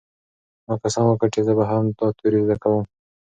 ما قسم وکړ چې زه به هم دا توري زده کوم.